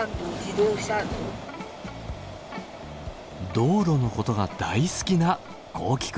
道路のことが大好きな豪輝君。